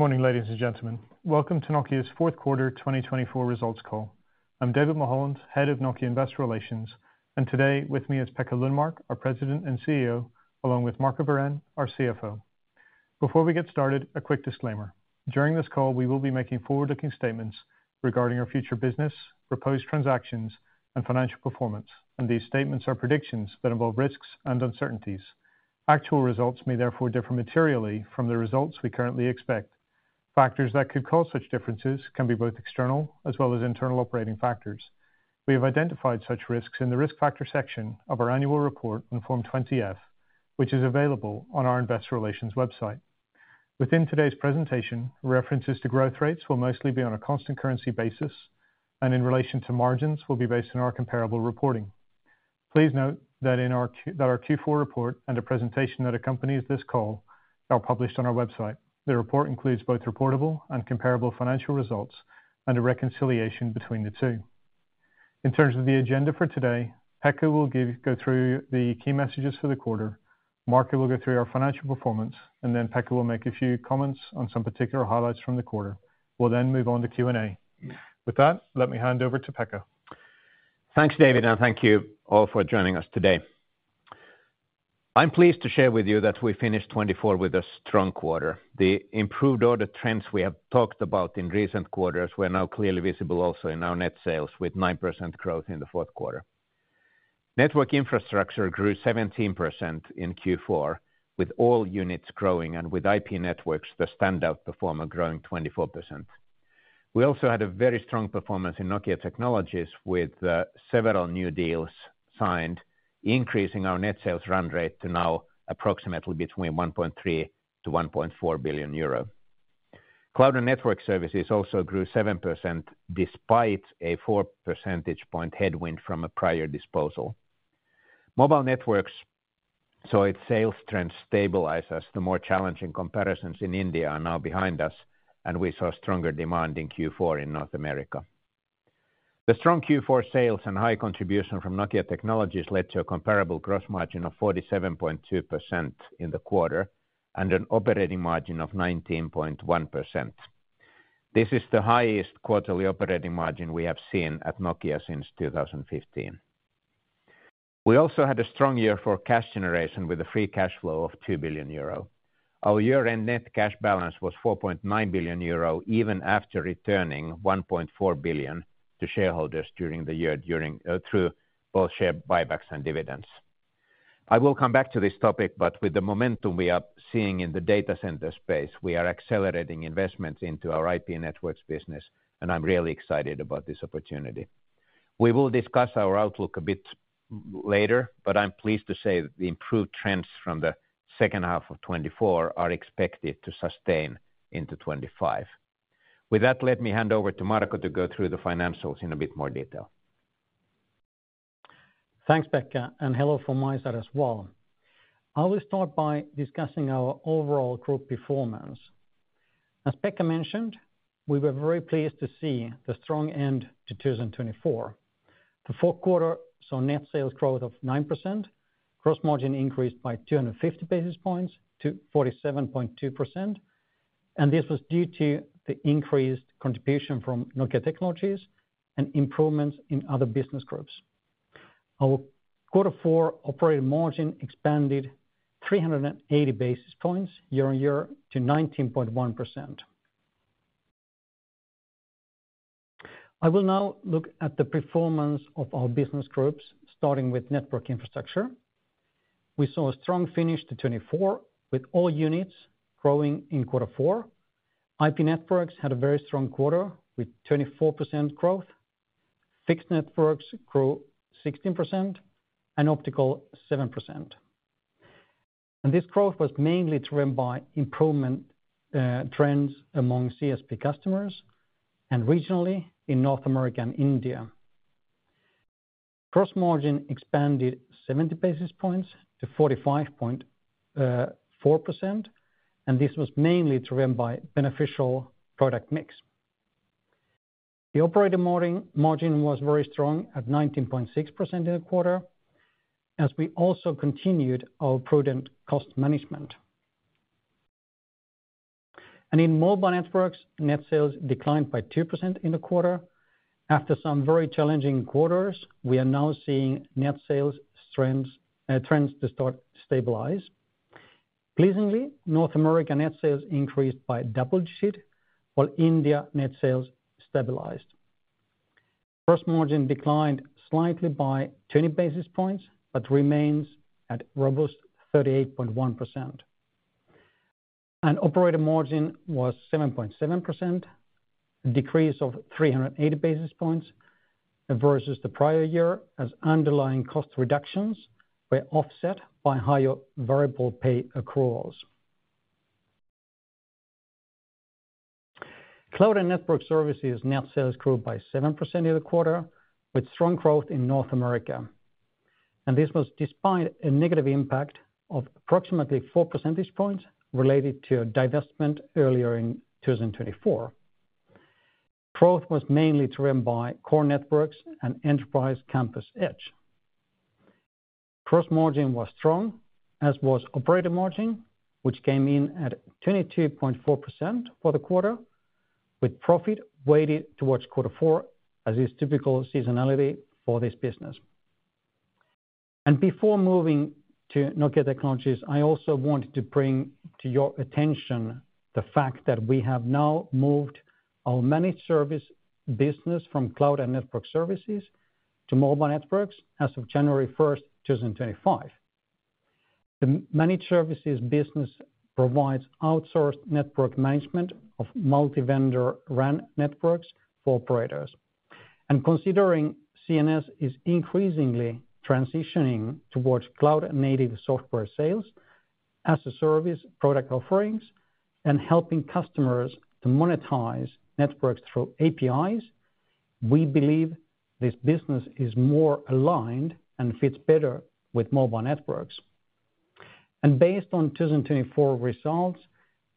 Good morning, ladies and gentlemen. Welcome to Nokia's fourth quarter 2024 results call. I'm David Mulholland, Head of Nokia Investor Relations, and today with me is Pekka Lundmark, our President and CEO, along with Marco Wirén, our CFO. Before we get started, a quick disclaimer: during this call, we will be making forward-looking statements regarding our future business, proposed transactions, and financial performance. These statements are predictions that involve risks and uncertainties. Actual results may therefore differ materially from the results we currently expect. Factors that could cause such differences can be both external as well as internal operating factors. We have identified such risks in the risk factor section of our annual report on Form 20-F, which is available on our Investor Relations website. Within today's presentation, references to growth rates will mostly be on a constant currency basis, and in relation to margins will be based on our comparable reporting. Please note that our Q4 report and a presentation that accompanies this call are published on our website. The report includes both reportable and comparable financial results and a reconciliation between the two. In terms of the agenda for today, Pekka will go through the key messages for the quarter, Marco will go through our financial performance, and then Pekka will make a few comments on some particular highlights from the quarter. We'll then move on to Q&A. With that, let me hand over to Pekka. Thanks, David, and thank you all for joining us today. I'm pleased to share with you that we finished 2024 with a strong quarter. The improved order trends we have talked about in recent quarters were now clearly visible also in our net sales, with 9% growth in the fourth quarter. Network Infrastructure grew 17% in Q4, with all units growing, and with IP Networks, the standout performer growing 24%. We also had a very strong performance in Nokia Technologies, with several new deals signed, increasing our net sales run rate to now approximately between 1.3 billion-1.4 billion euro. Cloud and Network Services also grew 7% despite a 4 percentage point headwind from a prior disposal. Mobile Networks saw its sales trends stabilize as the more challenging comparisons in India are now behind us, and we saw stronger demand in Q4 in North America. The strong Q4 sales and high contribution from Nokia Technologies led to a comparable gross margin of 47.2% in the quarter and an operating margin of 19.1%. This is the highest quarterly operating margin we have seen at Nokia since 2015. We also had a strong year for cash generation, with a free cash flow of 2 billion euro. Our year-end net cash balance was 4.9 billion euro, even after returning 1.4 billion to shareholders during the year through both share buybacks and dividends. I will come back to this topic, but with the momentum we are seeing in the data center space, we are accelerating investments into our IP Networks business, and I'm really excited about this opportunity. We will discuss our outlook a bit later, but I'm pleased to say the improved trends from the second half of 2024 are expected to sustain into 2025. With that, let me hand over to Marco to go through the financials in a bit more detail. Thanks, Pekka, and hello from my side as well. I will start by discussing our overall group performance. As Pekka mentioned, we were very pleased to see the strong end to 2024. The fourth quarter saw net sales growth of 9%, gross margin increased by 250 basis points to 47.2%, and this was due to the increased contribution from Nokia Technologies and improvements in other business groups. Our quarter four operating margin expanded 380 basis points year-on-year to 19.1%. I will now look at the performance of our business groups, starting with network infrastructure. We saw a strong finish to 2024, with all units growing in quarter four. IP Networks had a very strong quarter with 24% growth. Fixed Networks grew 16% and Optical 7%, and this growth was mainly driven by improvement trends among CSP customers and regionally in North America and India. Gross margin expanded 70 basis points to 45.4%, and this was mainly driven by beneficial product mix. The operating margin was very strong at 19.6% in the quarter, as we also continued our prudent cost management. In Mobile Networks, net sales declined by 2% in the quarter. After some very challenging quarters, we are now seeing net sales trends to start to stabilize. Pleasingly, North America net sales increased by double-digit, while India net sales stabilized. Gross margin declined slightly by 20 basis points but remains at a robust 38.1%. Operating margin was 7.7%, a decrease of 380 basis points versus the prior year, as underlying cost reductions were offset by higher variable pay accruals. Cloud and Network Services net sales grew by 7% in the quarter, with strong growth in North America. This was despite a negative impact of approximately 4 percentage points related to divestment earlier in 2024. Growth was mainly driven by Core Networks and Enterprise Campus Edge. Gross margin was strong, as was operating margin, which came in at 22.4% for the quarter, with profit weighted towards quarter four, as is typical seasonality for this business. Before moving to Nokia Technologies, I also want to bring to your attention the fact that we have now moved our managed service business from Cloud and Network Services to Mobile Networks as of January 1st, 2025. The managed services business provides outsourced network management of multi-vendor RAN networks for operators. Considering CNS is increasingly transitioning towards cloud-native software sales, as a service product offerings, and helping customers to monetize networks through APIs, we believe this business is more aligned and fits better with Mobile Networks. And based on 2024 results,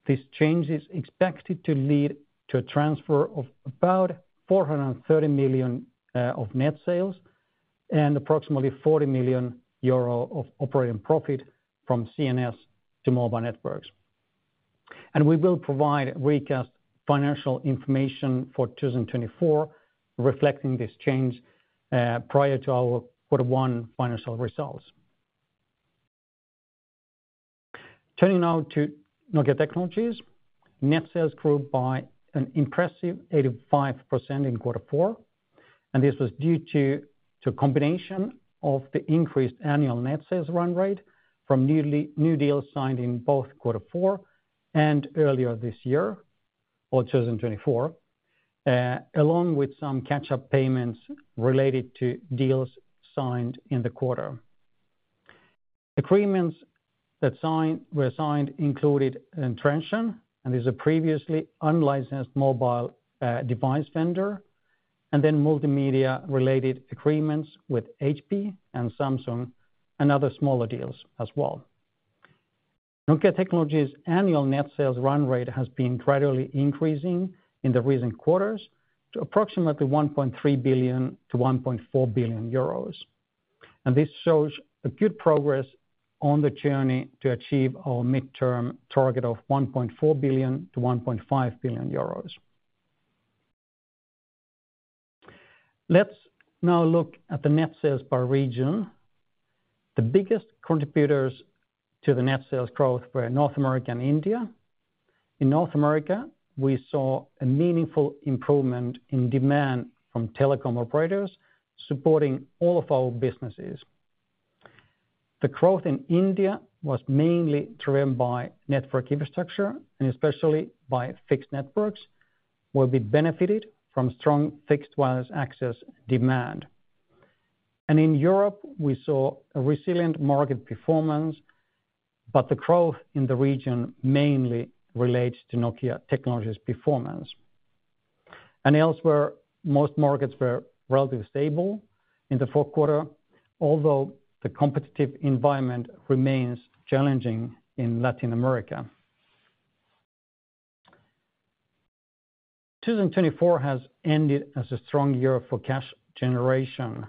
this change is expected to lead to a transfer of about 430 million of net sales and approximately 40 million euro of operating profit from CNS to Mobile Networks. And we will provide recast financial information for 2024 reflecting this change prior to our quarter one financial results. Turning now to Nokia Technologies, net sales grew by an impressive 85% in quarter four. And this was due to a combination of the increased annual net sales run rate from new deals signed in both quarter four and earlier this year or 2024, along with some catch-up payments related to deals signed in the quarter. Agreements that were signed included Transsion, and this is a previously unlicensed mobile device vendor, and then multimedia-related agreements with HP and Samsung and other smaller deals as well. Nokia Technologies' annual net sales run rate has been gradually increasing in the recent quarters to approximately 1.3 billion-1.4 billion euros. And this shows a good progress on the journey to achieve our midterm target of 1.4 billion-1.5 billion euros. Let's now look at the net sales by region. The biggest contributors to the net sales growth were North America and India. In North America, we saw a meaningful improvement in demand from telecom operators supporting all of our businesses. The growth in India was mainly driven by network infrastructure, and especially by Fixed Networks, where we benefited from strong fixed wireless access demand. And in Europe, we saw a resilient market performance, but the growth in the region mainly relates to Nokia Technologies' performance. And elsewhere, most markets were relatively stable in the fourth quarter, although the competitive environment remains challenging in Latin America. 2024 has ended as a strong year for cash generation.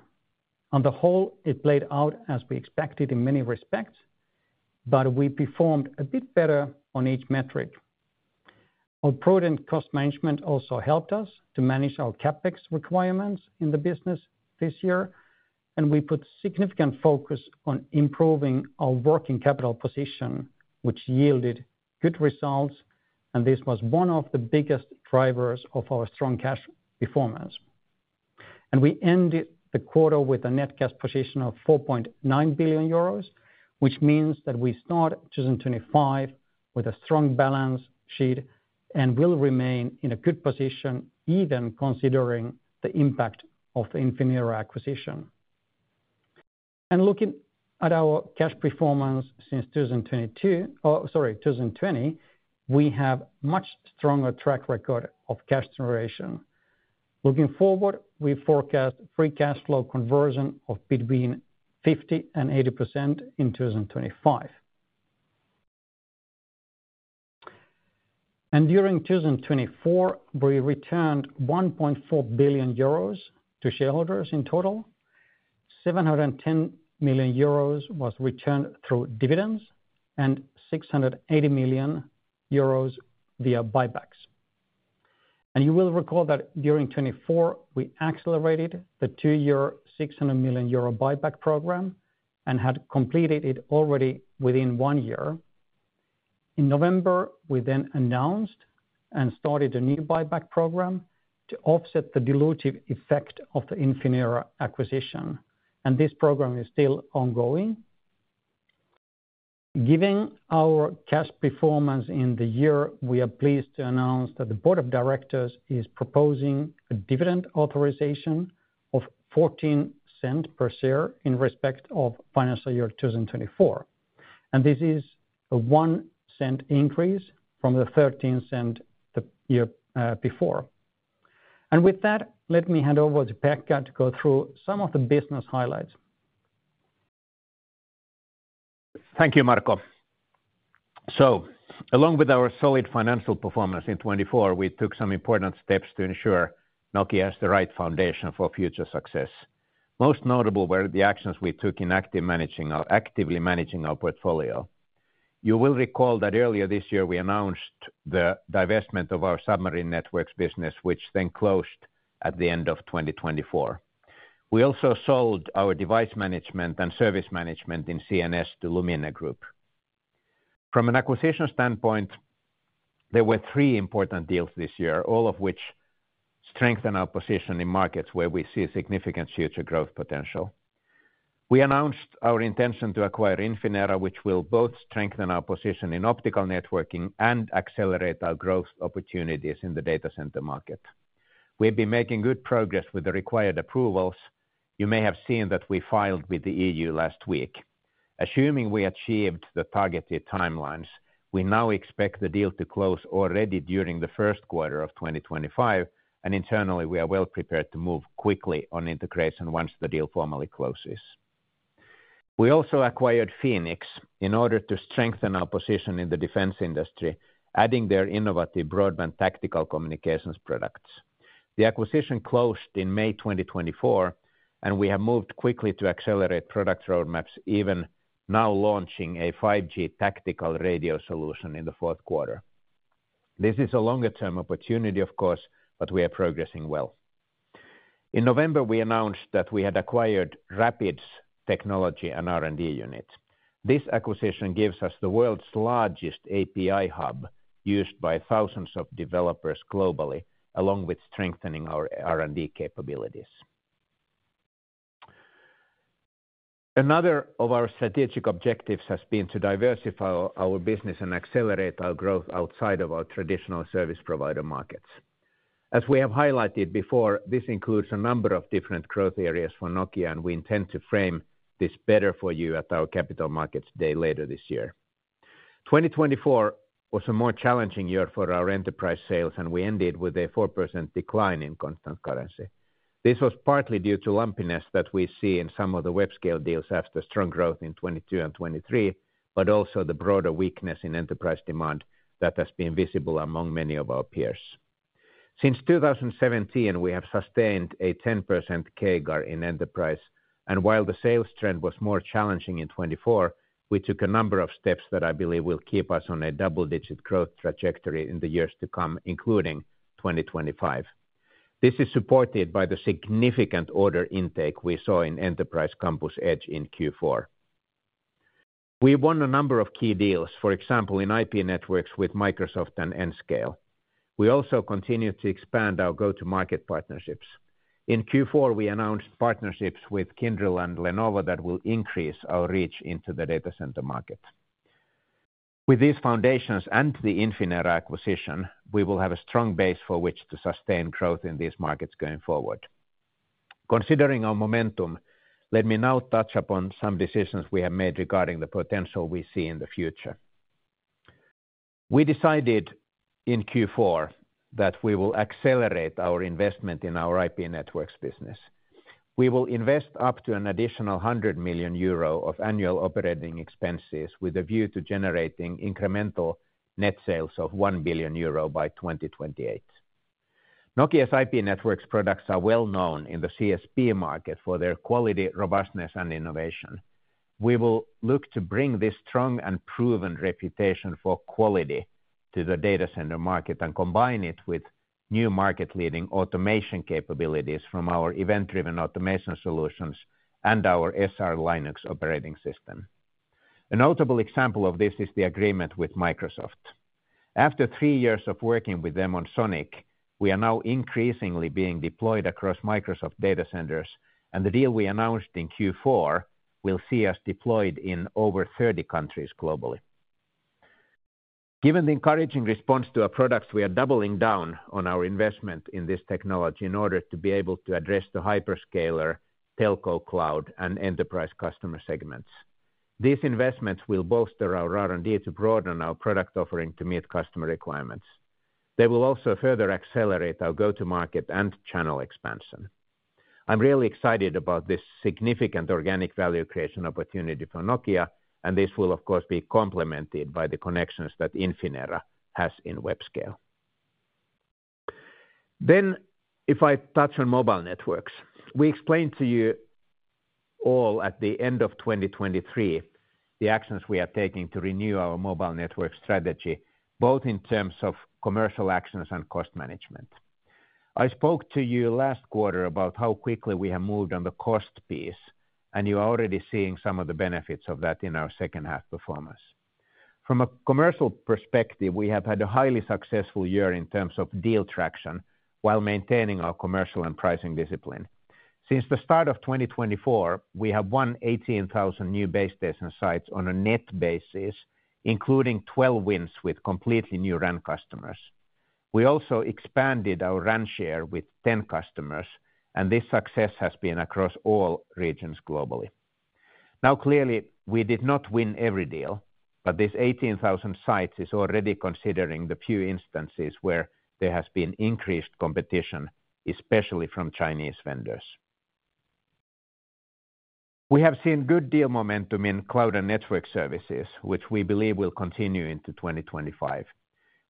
On the whole, it played out as we expected in many respects, but we performed a bit better on each metric. Our prudent cost management also helped us to manage our CapEx requirements in the business this year, and we put significant focus on improving our working capital position, which yielded good results, and this was one of the biggest drivers of our strong cash performance, and we ended the quarter with a net cash position of 4.9 billion euros, which means that we start 2025 with a strong balance sheet and will remain in a good position, even considering the impact of the Infinera acquisition, and looking at our cash performance since 2020, we have a much stronger track record of cash generation. Looking forward, we forecast free cash flow conversion of between 50% and 80% in 2025. During 2024, we returned 1.4 billion euros to shareholders in total. 710 million euros was returned through dividends and 680 million euros via buybacks. You will recall that during 2024, we accelerated the two-year 600 million euro buyback program and had completed it already within one year. In November, we then announced and started a new buyback program to offset the dilutive effect of the Infinera acquisition, and this program is still ongoing. Given our cash performance in the year, we are pleased to announce that the Board of Directors is proposing a dividend authorization of 0.14 per share in respect of financial year 2024. This is a one-cent increase from the 0.13 the year before. With that, let me hand over to Pekka to go through some of the business highlights. Thank you, Marco. So, along with our solid financial performance in 2024, we took some important steps to ensure Nokia has the right foundation for future success. Most notable were the actions we took in actively managing our portfolio. You will recall that earlier this year, we announced the divestment of our Submarine Networks business, which then closed at the end of 2024. We also sold our Device Management and Service Management in CNS to Lumine Group. From an acquisition standpoint, there were three important deals this year, all of which strengthen our position in markets where we see significant future growth potential. We announced our intention to acquire Infinera, which will both strengthen our position in Optical Networking and accelerate our growth opportunities in the data center market. We've been making good progress with the required approvals you may have seen that we filed with the EU last week. Assuming we achieved the targeted timelines, we now expect the deal to close already during the first quarter of 2025, and internally, we are well prepared to move quickly on integration once the deal formally closes. We also acquired Fenix in order to strengthen our position in the defense industry, adding their innovative broadband tactical communications products. The acquisition closed in May 2024, and we have moved quickly to accelerate product roadmaps, even now launching a 5G tactical radio solution in the fourth quarter. This is a longer-term opportunity, of course, but we are progressing well. In November, we announced that we had acquired Rapid and R&D units. This acquisition gives us the world's largest API hub used by thousands of developers globally, along with strengthening our R&D capabilities. Another of our strategic objectives has been to diversify our business and accelerate our growth outside of our traditional service provider markets. As we have highlighted before, this includes a number of different growth areas for Nokia, and we intend to frame this better for you at our capital markets day later this year. 2024 was a more challenging year for our enterprise sales, and we ended with a 4% decline in constant currency. This was partly due to lumpiness that we see in some of the web scale deals after strong growth in 2022 and 2023, but also the broader weakness in enterprise demand that has been visible among many of our peers. Since 2017, we have sustained a 10% CAGR in enterprise, and while the sales trend was more challenging in 2024, we took a number of steps that I believe will keep us on a double-digit growth trajectory in the years to come, including 2025. This is supported by the significant order intake we saw in Enterprise Campus Edge in Q4. We won a number of key deals, for example, in IP Networks with Microsoft and Nscale. We also continued to expand our go-to-market partnerships. In Q4, we announced partnerships with Kyndryl and Lenovo that will increase our reach into the data center market. With these foundations and the Infinera acquisition, we will have a strong base for which to sustain growth in these markets going forward. Considering our momentum, let me now touch upon some decisions we have made regarding the potential we see in the future. We decided in Q4 that we will accelerate our investment in our IP Networks business. We will invest up to an additional 100 million euro of annual operating expenses with a view to generating incremental net sales of 1 billion euro by 2028. Nokia's IP Networks products are well known in the CSP market for their quality, robustness, and innovation. We will look to bring this strong and proven reputation for quality to the data center market and combine it with new market-leading automation capabilities from our Event-Driven Automation solutions and our SR Linux operating system. A notable example of this is the agreement with Microsoft. After three years of working with them on SONiC, we are now increasingly being deployed across Microsoft data centers, and the deal we announced in Q4 will see us deployed in over 30 countries globally. Given the encouraging response to our products, we are doubling down on our investment in this technology in order to be able to address the hyperscaler, telco cloud, and enterprise customer segments. These investments will bolster our R&D to broaden our product offering to meet customer requirements. They will also further accelerate our go-to-market and channel expansion. I'm really excited about this significant organic value creation opportunity for Nokia, and this will, of course, be complemented by the connections that Infinera has in web scale. Then, if I touch on Mobile Networks, we explained to you all at the end of 2023 the actions we are taking to renew our mobile network strategy, both in terms of commercial actions and cost management. I spoke to you last quarter about how quickly we have moved on the cost piece, and you are already seeing some of the benefits of that in our second-half performance. From a commercial perspective, we have had a highly successful year in terms of deal traction while maintaining our commercial and pricing discipline. Since the start of 2024, we have won 18,000 new base stations sites on a net basis, including 12 wins with completely new RAN customers. We also expanded our RAN share with 10 customers, and this success has been across all regions globally. Now, clearly, we did not win every deal, but this 18,000 sites is already considering the few instances where there has been increased competition, especially from Chinese vendors. We have seen good deal momentum in Cloud and Network Services, which we believe will continue into 2025.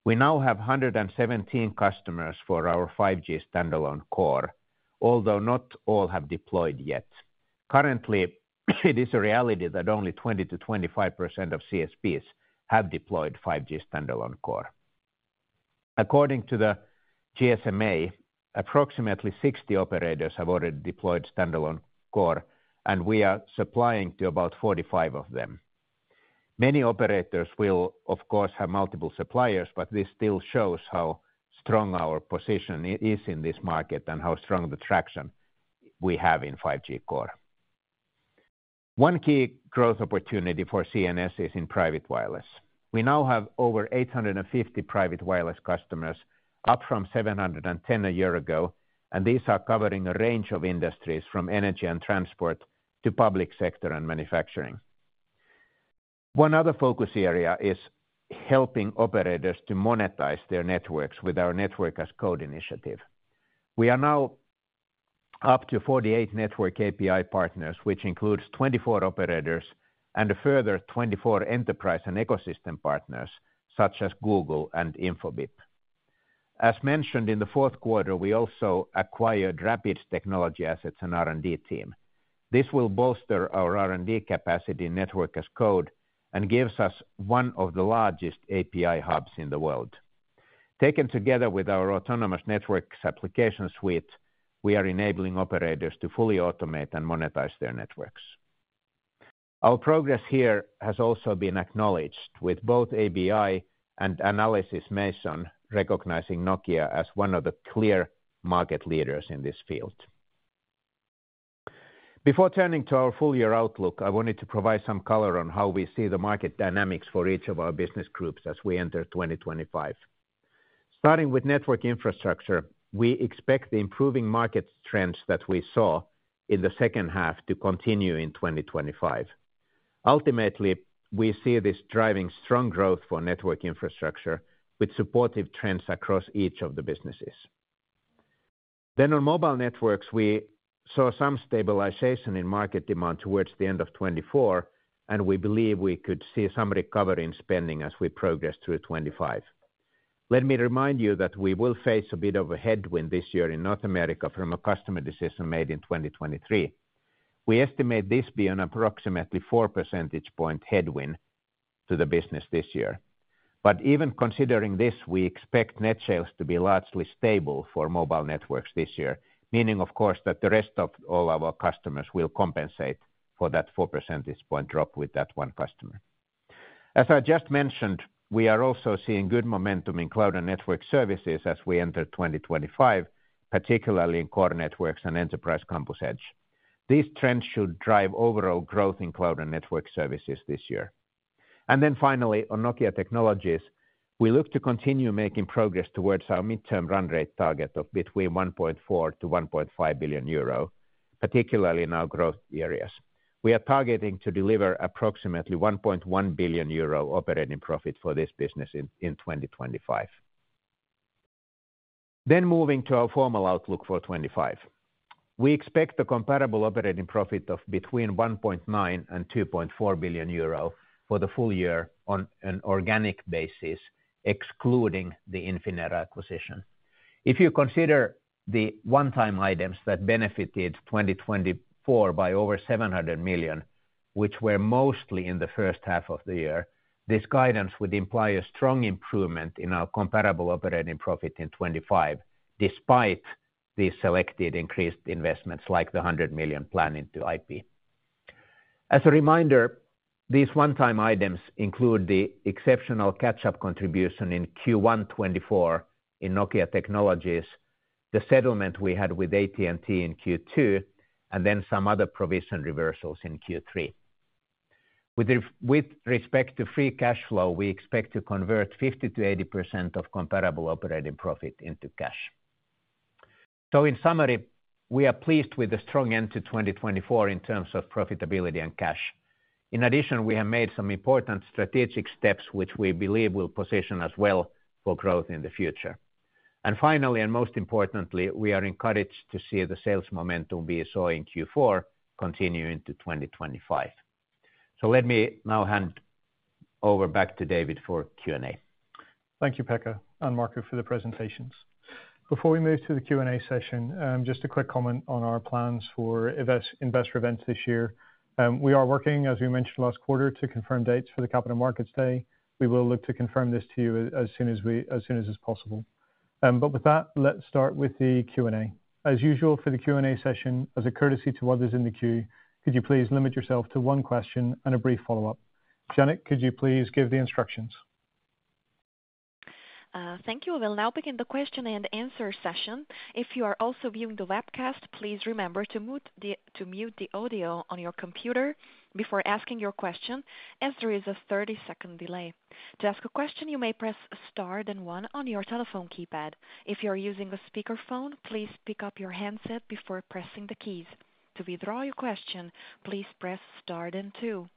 We now have 117 customers for our 5G Standalone Core, although not all have deployed yet. Currently, it is a reality that only 20%-25% of CSPs have deployed 5G Standalone Core. According to the GSMA, approximately 60 operators have already deployed standalone core, and we are supplying to about 45 of them. Many operators will, of course, have multiple suppliers, but this still shows how strong our position is in this market and how strong the traction we have in 5G Core. One key growth opportunity for CNS is in Private Wireless. We now have over 850 Private Wireless customers, up from 710 a year ago, and these are covering a range of industries from energy and transport to public sector and manufacturing. One other focus area is helping operators to monetize their networks with our Network as Code initiative. We are now up to 48 network API partners, which includes 24 operators and a further 24 enterprise and ecosystem partners, such as Google and Infobip. As mentioned in the fourth quarter, we also acquired Rapid's Technology Assets and R&D team. This will bolster our R&D capacity in Network as Code and gives us one of the largest API hubs in the world. Taken together with our Autonomous Networks application suite, we are enabling operators to fully automate and monetize their networks. Our progress here has also been acknowledged, with both ABI and Analysys Mason recognizing Nokia as one of the clear market leaders in this field. Before turning to our full-year outlook, I wanted to provide some color on how we see the market dynamics for each of our business groups as we enter 2025. Starting with Network Infrastructure, we expect the improving market trends that we saw in the second half to continue in 2025. Ultimately, we see this driving strong growth for Network Infrastructure with supportive trends across each of the businesses. Then, on Mobile Networks, we saw some stabilization in market demand towards the end of 2024, and we believe we could see some recovery in spending as we progress through 2025. Let me remind you that we will face a bit of a headwind this year in North America from a customer decision made in 2023. We estimate this being an approximately four percentage point headwind to the business this year. But even considering this, we expect net sales to be largely stable for Mobile Networks this year, meaning, of course, that the rest of all our customers will compensate for that four percentage point drop with that one customer. As I just mentioned, we are also seeing good momentum in Cloud and Network Services as we enter 2025, particularly in Core Networks and Enterprise Campus Edge. These trends should drive overall growth in Cloud and Network Services this year, and then finally, on Nokia Technologies, we look to continue making progress towards our midterm run rate target of between 1.4 billion-1.5 billion euro, particularly in our growth areas. We are targeting to deliver approximately 1.1 billion euro operating profit for this business in 2025, then moving to our formal outlook for 2025, we expect a comparable operating profit of between 1.9 billion-2.4 billion euro for the full year on an organic basis, excluding the Infinera acquisition. If you consider the one-time items that benefited 2024 by over 700 million, which were mostly in the first half of the year, this guidance would imply a strong improvement in our comparable operating profit in 2025, despite the selected increased investments like the 100 million plan into IP. As a reminder, these one-time items include the exceptional catch-up contribution in Q1 2024 in Nokia Technologies, the settlement we had with AT&T in Q2, and then some other provision reversals in Q3. With respect to free cash flow, we expect to convert 50%-80% of comparable operating profit into cash. So, in summary, we are pleased with the strong end to 2024 in terms of profitability and cash. In addition, we have made some important strategic steps, which we believe will position us well for growth in the future. Finally, and most importantly, we are encouraged to see the sales momentum we saw in Q4 continue into 2025. Let me now hand over back to David for Q&A. Thank you, Pekka and Marco, for the presentations. Before we move to the Q&A session, just a quick comment on our plans for Investor Events this year. We are working, as we mentioned last quarter, to confirm dates for the Capital Markets Day. We will look to confirm this to you as soon as it's possible. With that, let's start with the Q&A. As usual for the Q&A session, as a courtesy to others in the queue, could you please limit yourself to one question and a brief follow-up? Janet, could you please give the instructions? Thank you. We'll now begin the question and answer session. If you are also viewing the webcast, please remember to mute the audio on your computer before asking your question, as there is a 30-second delay. To ask a question, you may press star then one on your telephone keypad. If you are using a speakerphone, please pick up your handset before pressing the keys. To withdraw your question, please press star then two.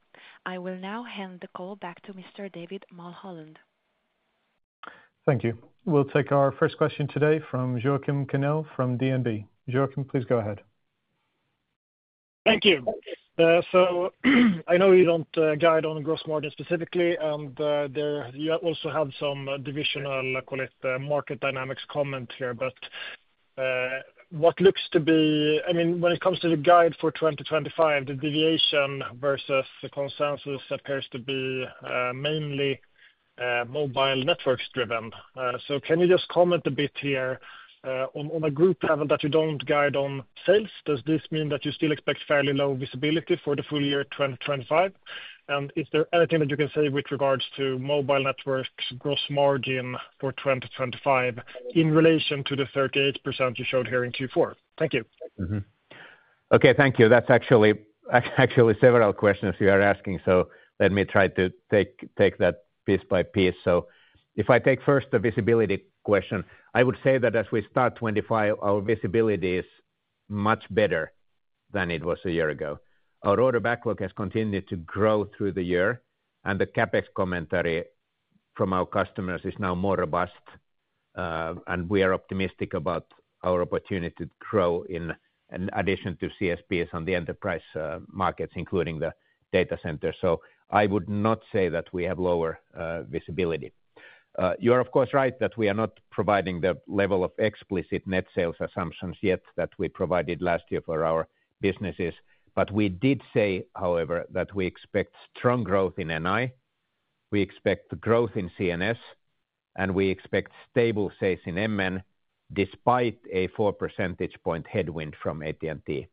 I will now hand the call back to Mr. David Mulholland. Thank you. We'll take our first question today from Joachim Gunell from DNB. Joachim, please go ahead. Thank you. So, I know you don't guide on gross margin specifically, and you also have some divisional market dynamics comment here, but what looks to be, I mean, when it comes to the guide for 2025, the deviation versus the consensus appears to be mainly Mobile Networks driven. So, can you just comment a bit here on a group level that you don't guide on sales? Does this mean that you still expect fairly low visibility for the full year 2025? And is there anything that you can say with regards to Mobile Networks gross margin for 2025 in relation to the 38% you showed here in Q4? Thank you. Okay, thank you. That's actually several questions you are asking, so let me try to take that piece by piece. So, if I take first the visibility question, I would say that as we start 2025, our visibility is much better than it was a year ago. Our order backlog has continued to grow through the year, and the CapEx commentary from our customers is now more robust, and we are optimistic about our opportunity to grow in addition to CSPs on the enterprise markets, including the data centers, so I would not say that we have lower visibility. You're, of course, right that we are not providing the level of explicit net sales assumptions yet that we provided last year for our businesses, but we did say, however, that we expect strong growth in NI, we expect growth in CNS, and we expect stable sales in MN despite a 4 percentage point headwind from AT&T.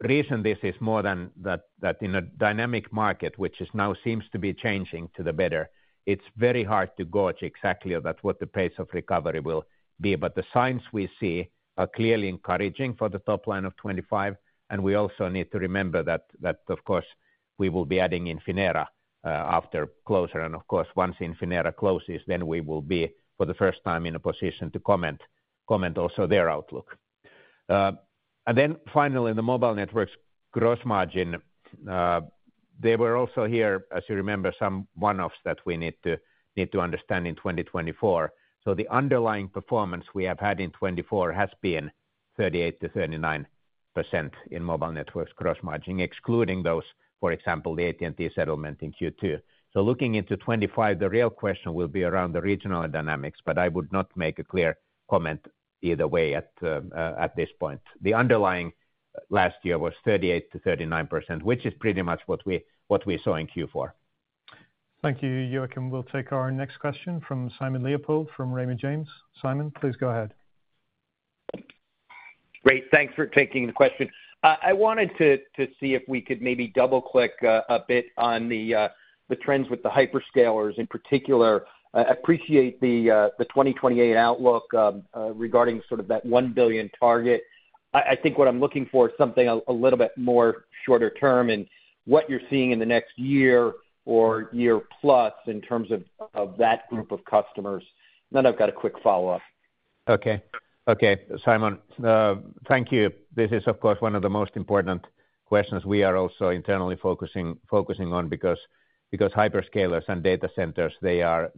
The reason this is more than that in a dynamic market, which now seems to be changing to the better, it's very hard to gauge exactly at what the pace of recovery will be, but the signs we see are clearly encouraging for the top line of 2025, and we also need to remember that, of course, we will be adding Infinera after closure, and of course, once Infinera closes, then we will be for the first time in a position to comment also their outlook. And then finally, the Mobile Networks gross margin, there were also here, as you remember, some one-offs that we need to understand in 2024. The underlying performance we have had in 2024 has been 38%-39% in Mobile Networks gross margin, excluding those, for example, the AT&T settlement in Q2. So, looking into 2025, the real question will be around the regional dynamics, but I would not make a clear comment either way at this point. The underlying last year was 38%-39%, which is pretty much what we saw in Q4. Thank you. Joachim will take our next question from Simon Leopold from Raymond James. Simon, please go ahead. Great. Thanks for taking the question. I wanted to see if we could maybe double-click a bit on the trends with the hyperscalers in particular. I appreciate the 2028 outlook regarding sort of that 1 billion target. I think what I'm looking for is something a little bit more shorter term and what you're seeing in the next year or year plus in terms of that group of customers. Then I've got a quick follow-up. Okay. Okay, Simon, thank you. This is, of course, one of the most important questions we are also internally focusing on because hyperscalers and data centers, they are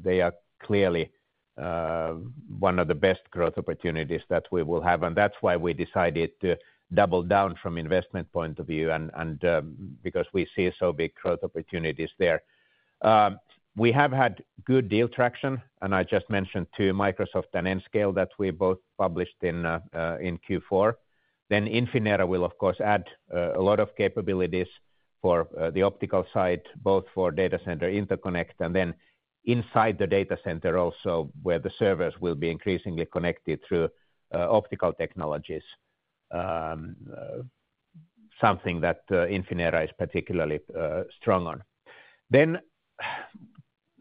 clearly one of the best growth opportunities that we will have, and that's why we decided to double down from an investment point of view and because we see so big growth opportunities there. We have had good deal traction, and I just mentioned to Microsoft and Nscale that we both published in Q4. Then Infinera will, of course, add a lot of capabilities for the Optical side, both for data center interconnect and then inside the data center also where the servers will be increasingly connected through optical technologies, something that Infinera is particularly strong on. Then,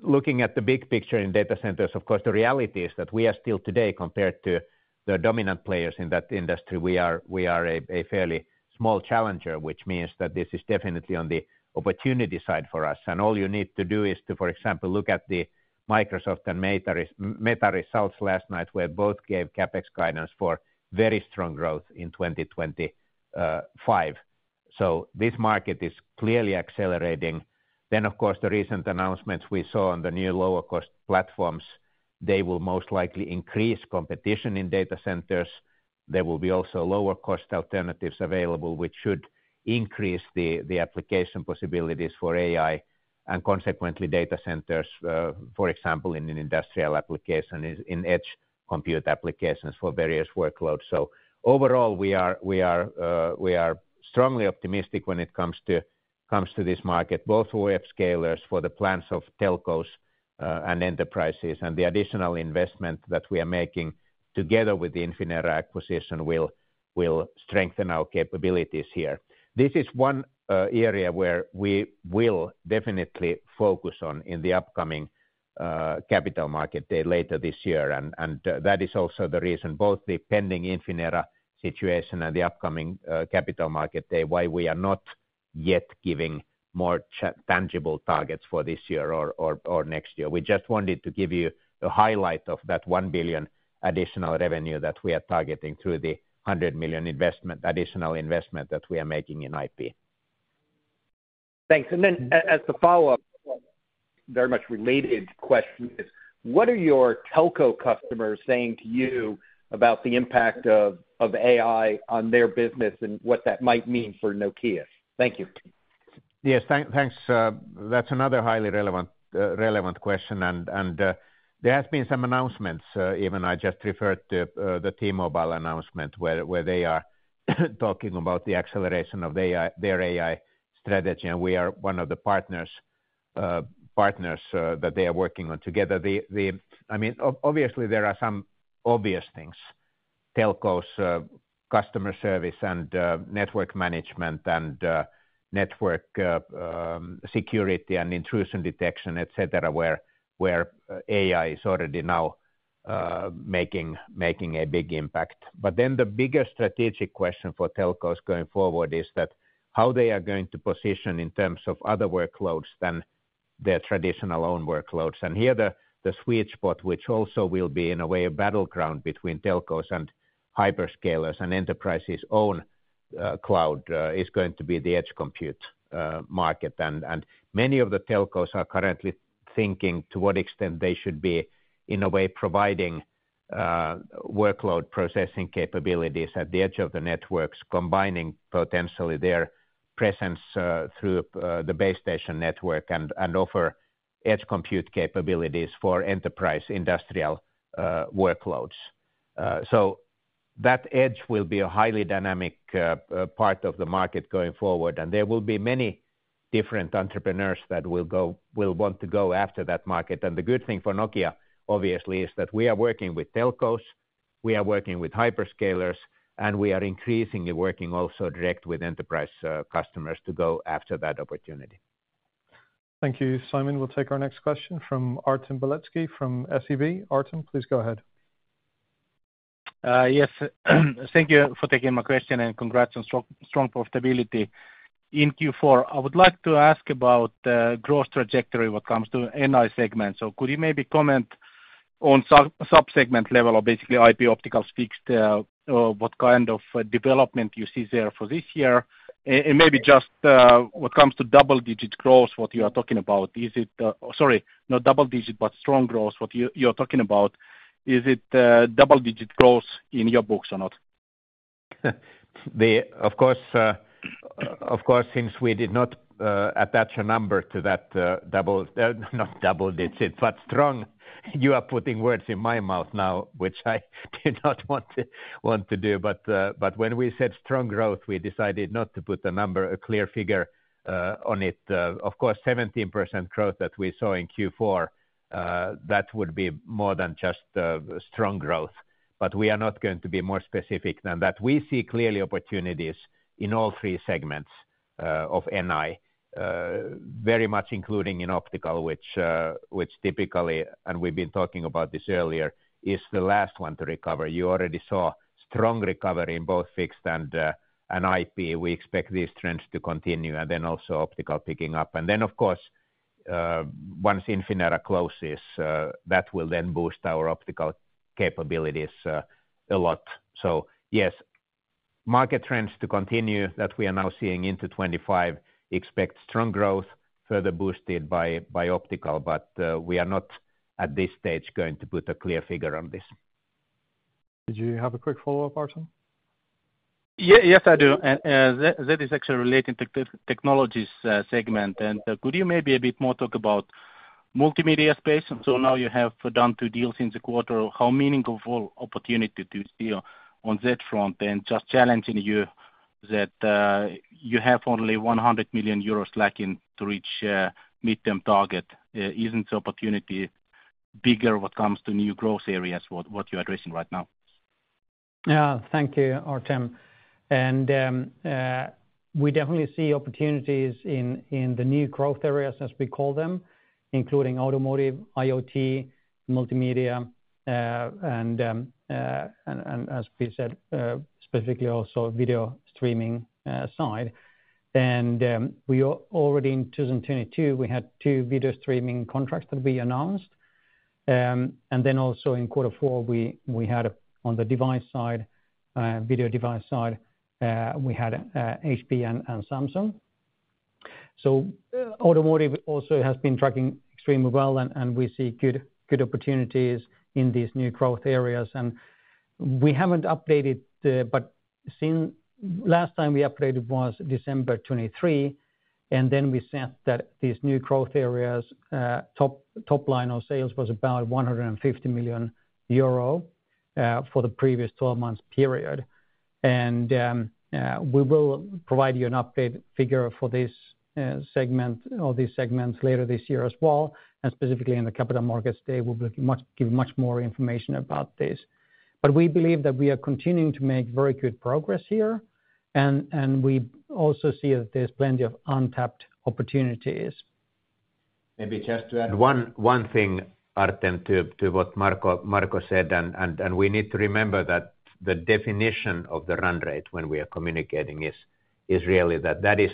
looking at the big picture in data centers, of course, the reality is that we are still today, compared to the dominant players in that industry, we are a fairly small challenger, which means that this is definitely on the opportunity side for us. And all you need to do is to, for example, look at the Microsoft and Meta results last night, where both gave CapEx guidance for very strong growth in 2025. So, this market is clearly accelerating. Then, of course, the recent announcements we saw on the new lower-cost platforms, they will most likely increase competition in data centers. There will be also lower-cost alternatives available, which should increase the application possibilities for AI and consequently data centers, for example, in an industrial application, in edge compute applications for various workloads. So, overall, we are strongly optimistic when it comes to this market, both for web scalers, for the plans of telcos and enterprises, and the additional investment that we are making together with the Infinera acquisition will strengthen our capabilities here. This is one area where we will definitely focus on in the upcoming capital market day later this year, and that is also the reason both the pending Infinera situation and the upcoming capital market day, why we are not yet giving more tangible targets for this year or next year. We just wanted to give you a highlight of that 1 billion additional revenue that we are targeting through the 100 million additional investment that we are making in IP. Thanks. And then, as a follow-up, very much related question is, what are your telco customers saying to you about the impact of AI on their business and what that might mean for Nokia? Thank you. Yes, thanks. That's another highly relevant question, and there have been some announcements, even I just referred to the T-Mobile announcement where they are talking about the acceleration of their AI strategy, and we are one of the partners that they are working on together. I mean, obviously, there are some obvious things: telcos customer service and network management and network security and intrusion detection, etc., where AI is already now making a big impact. But then the bigger strategic question for telcos going forward is how they are going to position in terms of other workloads than their traditional own workloads. And here, the sweet spot, which also will be in a way a battleground between telcos and hyperscalers and enterprises' own cloud, is going to be the edge compute market. And many of the telcos are currently thinking to what extent they should be, in a way, providing workload processing capabilities at the edge of the networks, combining potentially their presence through the base station network and offer edge compute capabilities for enterprise industrial workloads. So, that edge will be a highly dynamic part of the market going forward, and there will be many different entrepreneurs that will want to go after that market. And the good thing for Nokia, obviously, is that we are working with telcos, we are working with hyperscalers, and we are increasingly working also direct with enterprise customers to go after that opportunity. Thank you. Simon will take our next question from Artem Beletski from SEB. Artem, please go ahead. Yes, thank you for taking my question and congrats on strong profitability in Q4. I would like to ask about the growth trajectory when it comes to NI segment. So, could you maybe comment on subsegment level or basically IP optical fixed? What kind of development do you see there for this year? And maybe just when it comes to double-digit growth, what you are talking about, is it—sorry, not double-digit, but strong growth, what you are talking about, is it double-digit growth in your books or not? Of course, since we did not attach a number to that double—not double-digit, but strong. You are putting words in my mouth now, which I did not want to do, but when we said strong growth, we decided not to put a number, a clear figure on it. Of course, 17% growth that we saw in Q4, that would be more than just strong growth, but we are not going to be more specific than that. We see clearly opportunities in all three segments of NI, very much including in Optical, which typically, and we've been talking about this earlier, is the last one to recover. You already saw strong recovery in both fixed and IP. We expect these trends to continue and then also Optical picking up. And then, of course, once Infinera closes, that will then boost our optical capabilities a lot. So, yes, market trends to continue that we are now seeing into 2025 expect strong growth, further boosted by Optical, but we are not at this stage going to put a clear figure on this. Did you have a quick follow-up, Artem? Yes, I do. And that is actually relating to technologies segment. And could you maybe a bit more talk about the multimedia space? So, now you have done two deals in the quarter. How meaningful opportunity do you see on that front? And just challenging you that you have only 100 million euros lacking to reach the mid-term target. Isn't the opportunity bigger when it comes to new growth areas, what you're addressing right now? Yeah, thank you, Artem. And we definitely see opportunities in the new growth areas, as we call them, including automotive, IoT, multimedia, and, as we said, specifically also video streaming side. And we already, in 2022, we had two video streaming contracts that we announced. And then also in quarter four, we had on the device side, video device side, we had HP and Samsung. So, automotive also has been tracking extremely well, and we see good opportunities in these new growth areas. And we haven't updated, but last time we updated was December 2023, and then we said that these new growth areas, top line of sales was about 150 million euro for the previous 12-month period. And we will provide you an update figure for this segment or these segments later this year as well, and specifically in the Capital Markets Day, we'll give you much more information about this. But we believe that we are continuing to make very good progress here, and we also see that there's plenty of untapped opportunities. Maybe just to add one thing, Artem, to what Marco said, and we need to remember that the definition of the run rate when we are communicating is really that that is,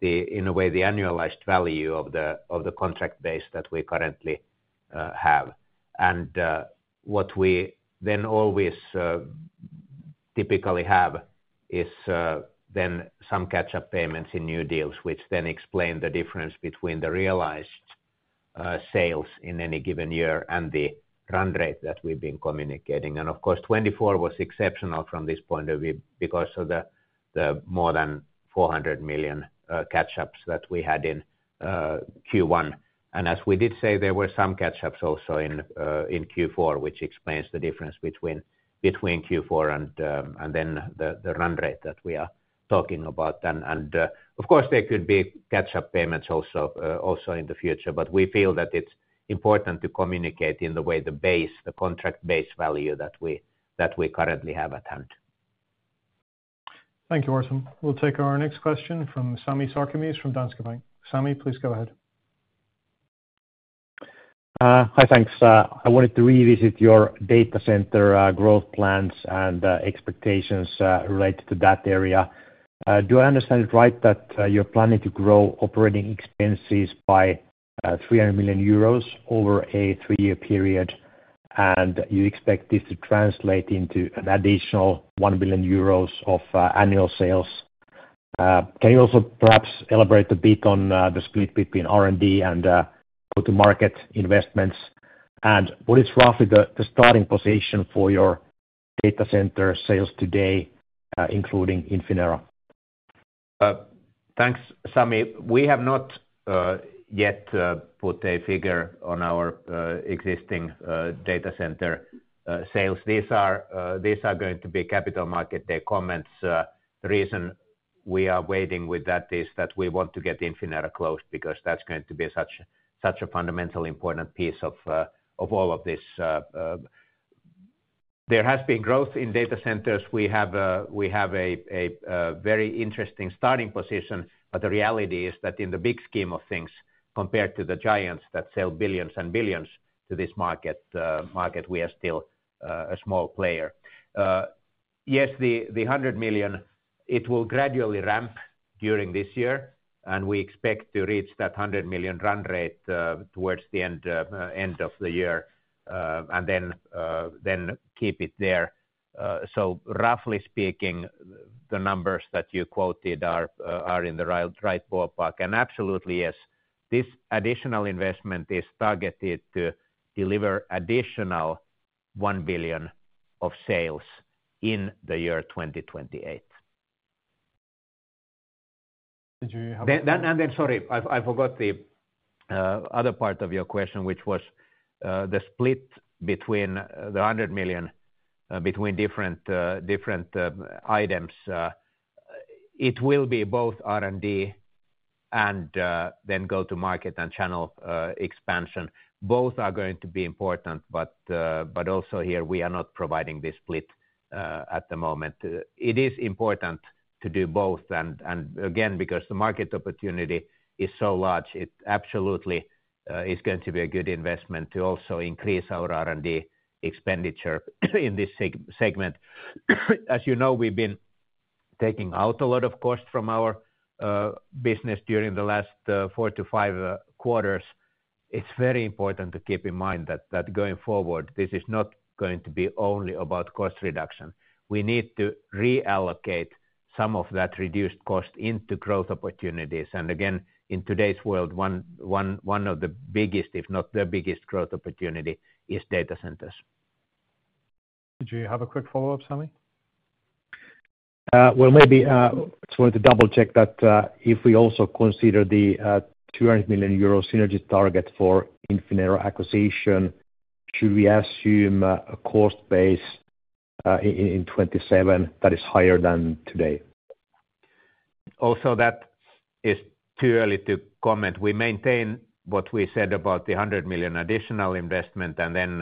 in a way, the annualized value of the contract base that we currently have. And what we then always typically have is then some catch-up payments in new deals, which then explain the difference between the realized sales in any given year and the run rate that we've been communicating. And of course, 2024 was exceptional from this point of view because of the more than 400 million catch-ups that we had in Q1. And as we did say, there were some catch-ups also in Q4, which explains the difference between Q4 and then the run rate that we are talking about. Of course, there could be catch-up payments also in the future, but we feel that it's important to communicate in the way the base, the contract base value that we currently have at hand. Thank you, Artem. We'll take our next question from Sami Sarkamies from Danske Bank. Sami, please go ahead. Hi, thanks. I wanted to revisit your data center growth plans and expectations related to that area. Do I understand it right that you're planning to grow operating expenses by 300 million euros over a three-year period, and you expect this to translate into an additional 1 billion euros of annual sales? Can you also perhaps elaborate a bit on the split between R&D and go-to-market investments? And what is roughly the starting position for your data center sales today, including Infinera? Thanks, Sami. We have not yet put a figure on our existing data center sales. These are going to be Capital Markets Day comments. The reason we are waiting with that is that we want to get Infinera closed because that's going to be such a fundamentally important piece of all of this. There has been growth in data centers. We have a very interesting starting position, but the reality is that in the big scheme of things, compared to the giants that sell billions and billions to this market, we are still a small player. Yes, the 100 million, it will gradually ramp during this year, and we expect to reach that 100 million run rate towards the end of the year and then keep it there. So, roughly speaking, the numbers that you quoted are in the right ballpark. And absolutely, yes, this additional investment is targeted to deliver additional 1 billion of sales in the year 2028. Sorry, I forgot the other part of your question, which was the split between the 100 million between different items. It will be both R&D and then go-to-market and channel expansion. Both are going to be important, but also here, we are not providing this split at the moment. It is important to do both. And again, because the market opportunity is so large, it absolutely is going to be a good investment to also increase our R&D expenditure in this segment. As you know, we've been taking out a lot of cost from our business during the last four to five quarters. It's very important to keep in mind that going forward, this is not going to be only about cost reduction. We need to reallocate some of that reduced cost into growth opportunities. Again, in today's world, one of the biggest, if not the biggest, growth opportunity is data centers. Did you have a quick follow-up, Sami? Maybe I just wanted to double-check that if we also consider the 200 million euro synergy target for Infinera acquisition, should we assume a cost base in 2027 that is higher than today? Also, that is too early to comment. We maintain what we said about the 100 million additional investment and then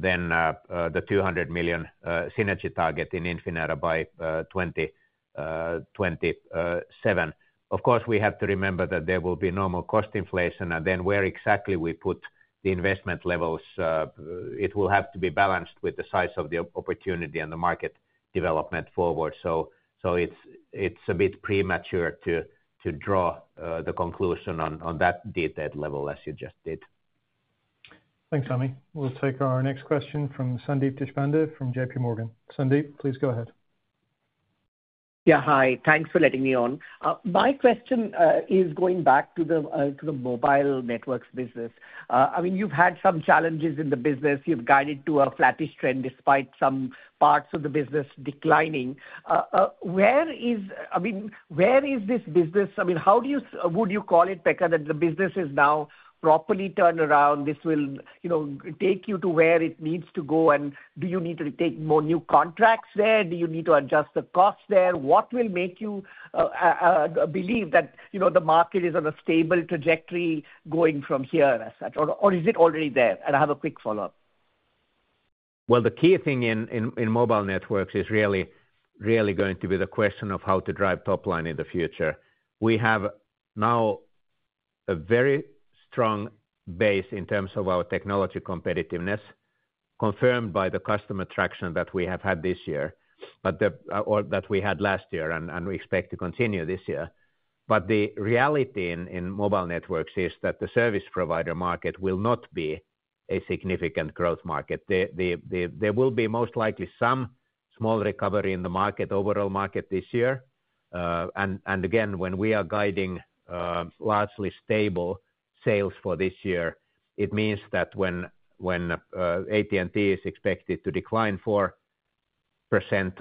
the 200 million synergy target in Infinera by 2027. Of course, we have to remember that there will be normal cost inflation, and then where exactly we put the investment levels, it will have to be balanced with the size of the opportunity and the market development forward. It's a bit premature to draw the conclusion on that detailed level, as you just did. Thanks, Sami. We'll take our next question from Sandeep Deshpande from JPMorgan. Sandeep, please go ahead. Yeah, hi. Thanks for letting me on. My question is going back to the Mobile Networks business. I mean, you've had some challenges in the business. You've guided to a flattish trend despite some parts of the business declining. I mean, where is this business? I mean, how would you call it, Pekka, that the business is now properly turned around? This will take you to where it needs to go, and do you need to take more new contracts there? Do you need to adjust the cost there? What will make you believe that the market is on a stable trajectory going from here as such? Or is it already there, and I have a quick follow-up. The key thing in Mobile Networks is really going to be the question of how to drive top line in the future. We have now a very strong base in terms of our technology competitiveness, confirmed by the customer traction that we have had this year or that we had last year, and we expect to continue this year, but the reality in Mobile Networks is that the service provider market will not be a significant growth market. There will be most likely some small recovery in the overall market this year, and again, when we are guiding largely stable sales for this year, it means that when AT&T is expected to decline 4%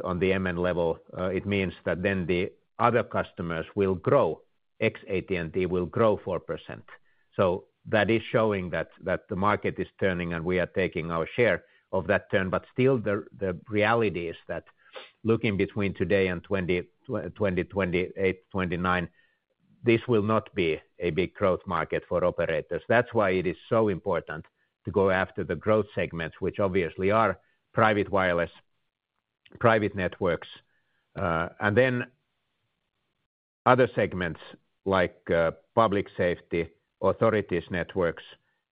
on the MN level, it means that then the other customers will grow. Ex-AT&T will grow 4%, so that is showing that the market is turning, and we are taking our share of that turn. Still, the reality is that looking between today and 2028-2029, this will not be a big growth market for operators. That's why it is so important to go after the growth segments, which obviously are private wireless, private networks, and then other segments like public safety, authorities' networks,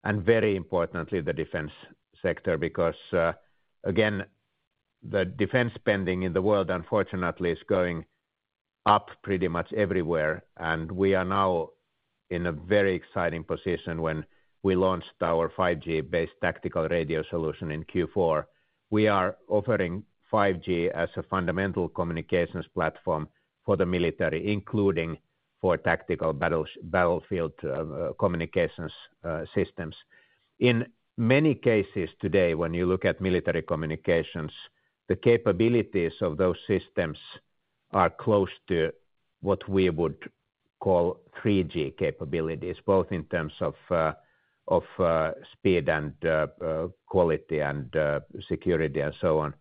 and very importantly, the defense sector. Because again, the defense spending in the world, unfortunately, is going up pretty much everywhere, and we are now in a very exciting position when we launched our 5G-based tactical radio solution in Q4. We are offering 5G as a fundamental communications platform for the military, including for tactical battlefield communications systems. In many cases today, when you look at military communications, the capabilities of those systems are close to what we would call 3G capabilities, both in terms of speed and quality and security and so on.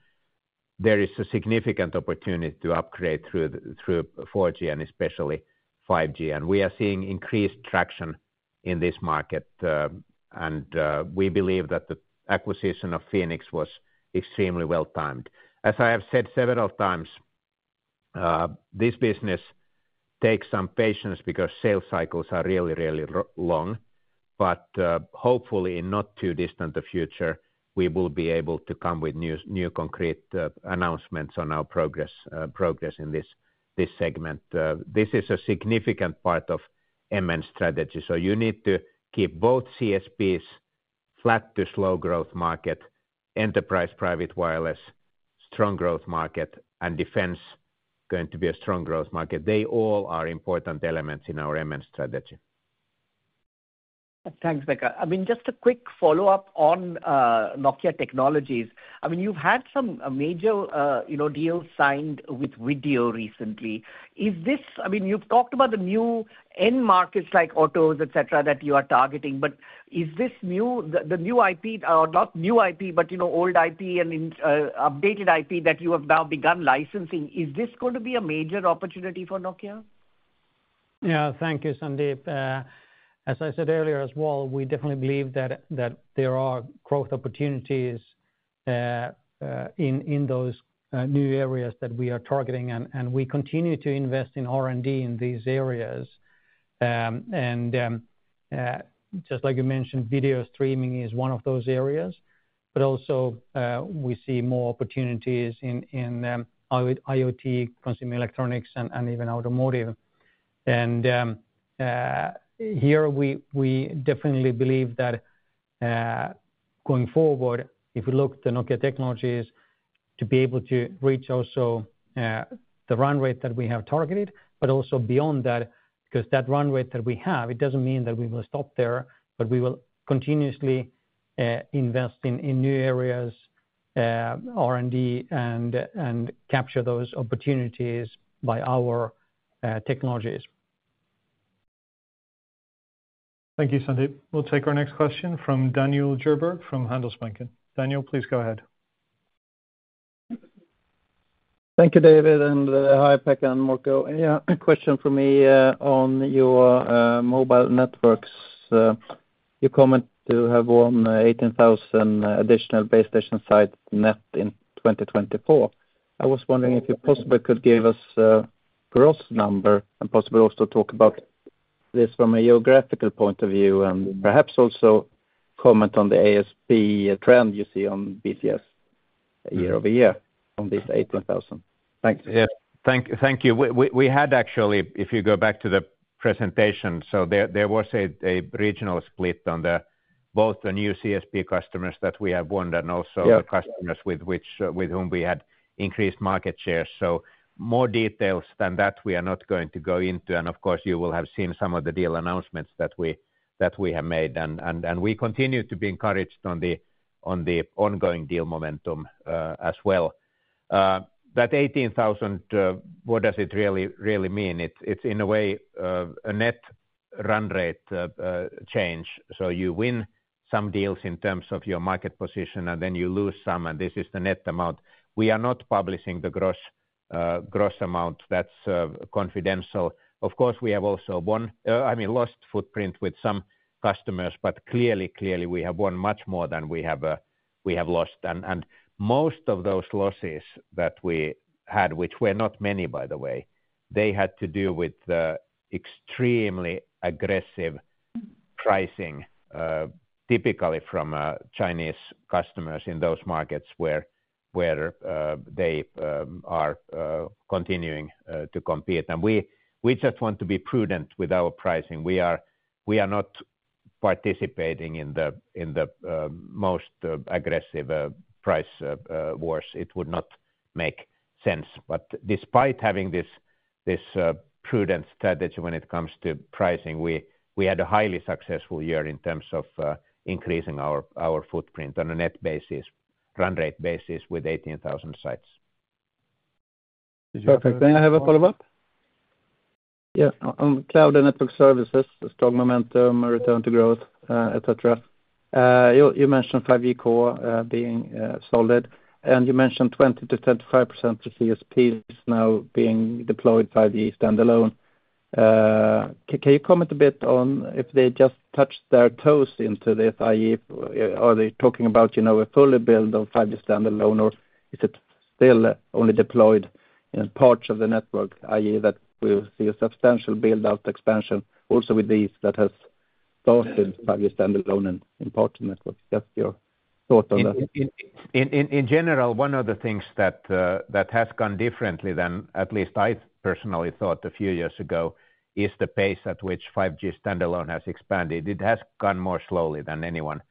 There is a significant opportunity to upgrade through 4G and especially 5G. And we are seeing increased traction in this market, and we believe that the acquisition of Fenix was extremely well-timed. As I have said several times, this business takes some patience because sales cycles are really, really long. But hopefully, in not too distant the future, we will be able to come with new concrete announcements on our progress in this segment. This is a significant part of MN strategy. So, you need to keep both CSPs, flat to slow growth market, enterprise private wireless, strong growth market, and defense going to be a strong growth market. They all are important elements in our MN strategy. Thanks, Pekka. I mean, just a quick follow-up on Nokia Technologies. I mean, you've had some major deals signed with Vivo recently. I mean, you've talked about the new end markets like autos, etc., that you are targeting, but is this new, the new IP, or not new IP, but old IP and updated IP that you have now begun licensing, is this going to be a major opportunity for Nokia? Yeah, thank you, Sandeep. As I said earlier as well, we definitely believe that there are growth opportunities in those new areas that we are targeting, and we continue to invest in R&D in these areas, and just like you mentioned, video streaming is one of those areas, but also we see more opportunities in IoT, consumer electronics, and even automotive. Here, we definitely believe that going forward, if we look at the Nokia Technologies, to be able to reach also the run rate that we have targeted, but also beyond that, because that run rate that we have, it doesn't mean that we will stop there, but we will continuously invest in new areas, R&D, and capture those opportunities by our technologies. Thank you, Sandeep. We'll take our next question from Daniel Djurberg from Handelsbanken. Daniel, please go ahead. Thank you, David, and hi, Pekka and Marco. Yeah, question for me on your mobile networks. You commented you have won 18,000 additional base station site net in 2024. I was wondering if you possibly could give us a gross number and possibly also talk about this from a geographical point of view and perhaps also comment on the ASP trend you see on BCS year-over-year on these 18,000? Thanks. Yeah, thank you. We had actually, if you go back to the presentation, so there was a regional split on both the new CSP customers that we have won and also the customers with whom we had increased market shares. So, more details than that, we are not going to go into. And of course, you will have seen some of the deal announcements that we have made. And we continue to be encouraged on the ongoing deal momentum as well. That 18,000, what does it really mean? It's, in a way, a net run rate change. You win some deals in terms of your market position, and then you lose some, and this is the net amount. We are not publishing the gross amount. That's confidential. Of course, we have also won, I mean, lost footprint with some customers, but clearly, clearly, we have won much more than we have lost. And most of those losses that we had, which were not many, by the way, they had to do with extremely aggressive pricing, typically from Chinese customers in those markets where they are continuing to compete. And we just want to be prudent with our pricing. We are not participating in the most aggressive price wars. It would not make sense. But despite having this prudent strategy when it comes to pricing, we had a highly successful year in terms of increasing our footprint on a net basis, run rate basis with 18,000 sites. Perfect. May I have a follow-up? Yeah, on cloud and network services, strong momentum, return to growth, etc. You mentioned 5G core being solid, and you mentioned 20%-35% of CSPs now being deployed 5G standalone. Can you comment a bit on if they just touched their toes into this, i.e., are they talking about a fully built-up 5G standalone, or is it still only deployed in parts of the network, i.e., that we see a substantial build-out expansion also with these that has started 5G standalone in parts of the network? Just your thought on that. In general, one of the things that has gone differently than at least I personally thought a few years ago is the pace at which 5G standalone has expanded. It has gone more slowly than anyone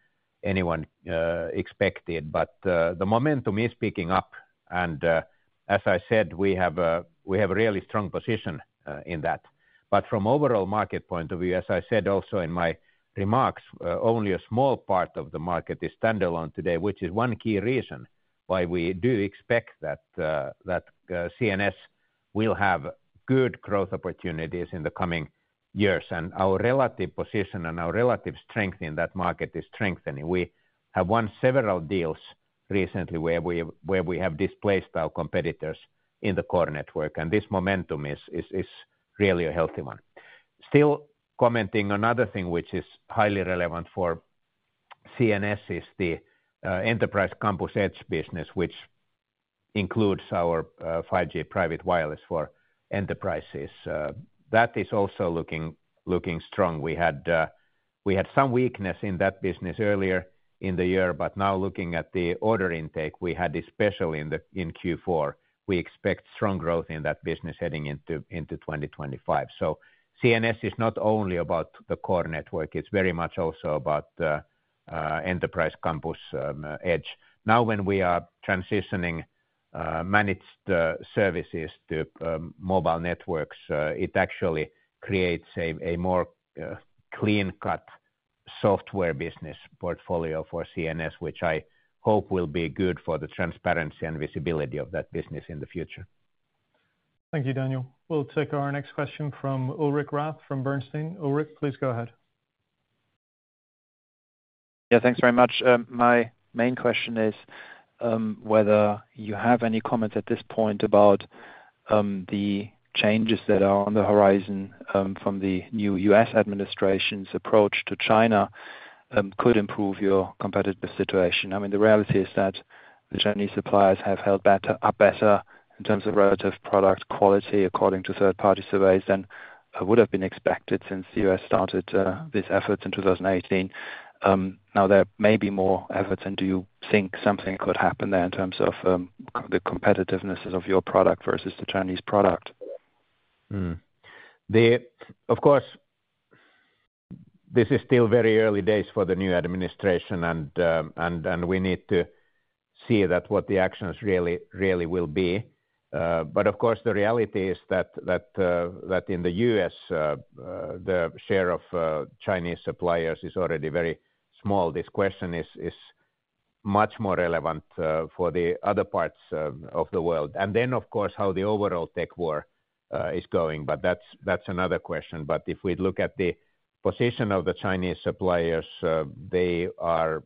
expected, but the momentum is picking up. And as I said, we have a really strong position in that. But from an overall market point of view, as I said also in my remarks, only a small part of the market is standalone today, which is one key reason why we do expect that CNS will have good growth opportunities in the coming years. And our relative position and our relative strength in that market is strengthening. We have won several deals recently where we have displaced our competitors in the core network, and this momentum is really a healthy one. Still commenting on another thing, which is highly relevant for CNS, is the Enterprise Campus Edge business, which includes our 5G Private Wireless for enterprises. That is also looking strong. We had some weakness in that business earlier in the year, but now looking at the order intake we had, especially in Q4, we expect strong growth in that business heading into 2025. So, CNS is not only about the core network. It's very much also about enterprise campus edge. Now, when we are transitioning managed services to Mobile Networks, it actually creates a more clean-cut software business portfolio for CNS, which I hope will be good for the transparency and visibility of that business in the future. Thank you, Daniel. We'll take our next question from Ulrich Rathe from Bernstein. Ulrich, please go ahead. Yeah, thanks very much. My main question is whether you have any comments at this point about the changes that are on the horizon from the new U.S. administration's approach to China could improve your competitive situation. I mean, the reality is that the Chinese suppliers have held up better in terms of relative product quality, according to third-party surveys, than would have been expected since the U.S. started these efforts in 2018. Now, there may be more efforts, and do you think something could happen there in terms of the competitiveness of your product versus the Chinese product? Of course, this is still very early days for the new administration, and we need to see what the actions really will be. But of course, the reality is that in the U.S., the share of Chinese suppliers is already very small. This question is much more relevant for the other parts of the world, and then, of course, how the overall tech war is going, but that's another question. But if we look at the position of the Chinese suppliers, they are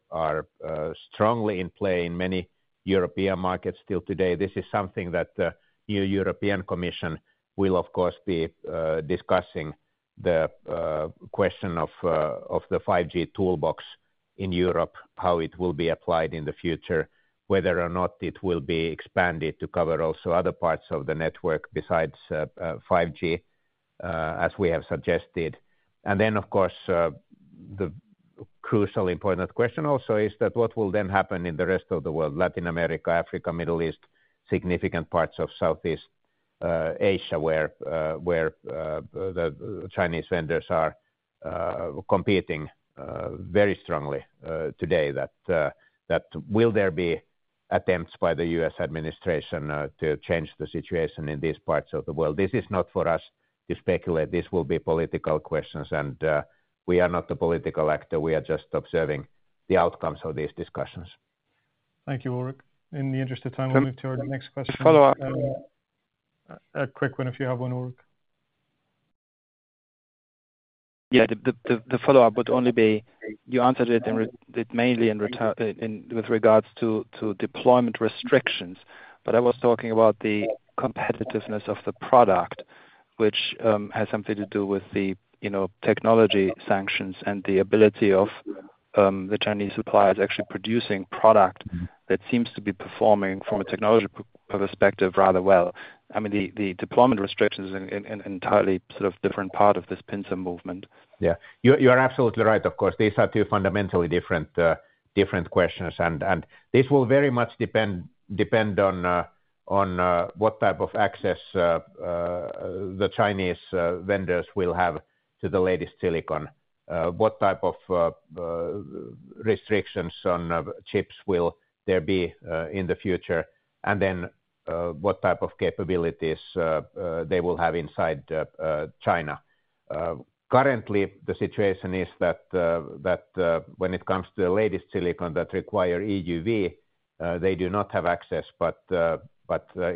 strongly in play in many European markets still today. This is something that the new European Commission will, of course, be discussing, the question of the 5G toolbox in Europe, how it will be applied in the future, whether or not it will be expanded to cover also other parts of the network besides 5G, as we have suggested. And then, of course, the crucial important question also is that what will then happen in the rest of the world, Latin America, Africa, Middle East, significant parts of Southeast Asia, where the Chinese vendors are competing very strongly today, that will there be attempts by the US administration to change the situation in these parts of the world? This is not for us to speculate. These will be political questions, and we are not a political actor. We are just observing the outcomes of these discussions. Thank you, Ulrich. In the interest of time, we'll move to our next question. Follow-up. A quick one, if you have one, Ulrich. Yeah, the follow-up would only be you answered it mainly with regards to deployment restrictions, but I was talking about the competitiveness of the product, which has something to do with the technology sanctions and the ability of the Chinese suppliers actually producing product that seems to be performing from a technology perspective rather well. I mean, the deployment restrictions are an entirely sort of different part of this pincer movement. Yeah, you are absolutely right. Of course, these are two fundamentally different questions, and this will very much depend on what type of access the Chinese vendors will have to the latest silicon, what type of restrictions on chips will there be in the future, and then what type of capabilities they will have inside China. Currently, the situation is that when it comes to the latest silicon that requires EUV, they do not have access, but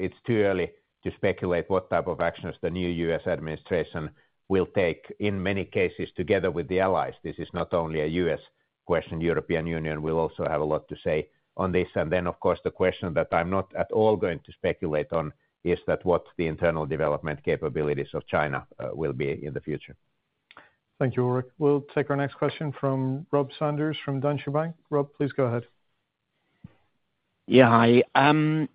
it's too early to speculate what type of actions the new U.S. administration will take in many cases together with the allies. This is not only a U.S. question. The European Union will also have a lot to say on this, and then, of course, the question that I'm not at all going to speculate on is that what the internal development capabilities of China will be in the future. Thank you, Ulrich. We'll take our next question from Rob Sanders from Deutsche Bank. Rob, please go ahead. Yeah, hi.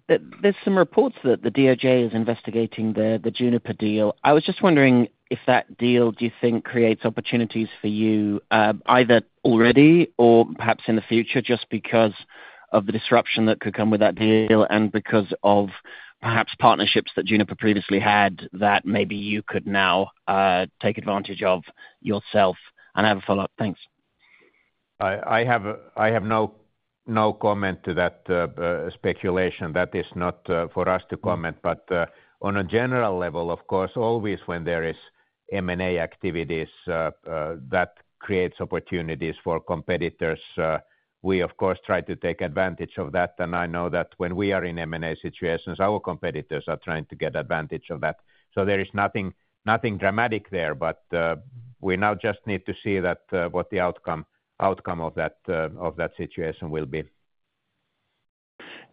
There's some reports that the DOJ is investigating the Juniper deal. I was just wondering if that deal, do you think, creates opportunities for you either already or perhaps in the future, just because of the disruption that could come with that deal and because of perhaps partnerships that Juniper previously had that maybe you could now take advantage of yourself? And I have a follow-up. Thanks. I have no comment to that speculation. That is not for us to comment. But on a general level, of course, always when there is M&A activities that create opportunities for competitors, we, of course, try to take advantage of that. And I know that when we are in M&A situations, our competitors are trying to get advantage of that. So there is nothing dramatic there, but we now just need to see what the outcome of that situation will be.